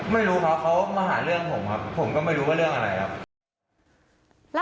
ไม่รู้ครับเขามาหาเรื่องผมครับผมก็ไม่รู้ว่าเรื่องอะไรครับ